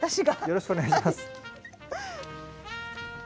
よろしくお願いします。